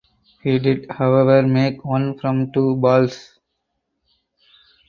He did however make one from two balls.